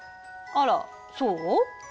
あらそう？